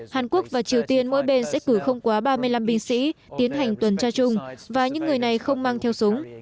hàn quốc và triều tiên mỗi bên sẽ cử không quá ba mươi năm binh sĩ tiến hành tuần tra chung và những người này không mang theo súng